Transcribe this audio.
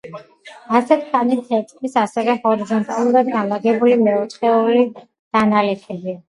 ასეთ ქანებს ერწყმის ასევე ჰორიზონტალურად განლაგებული მეოთხეული დანალექები.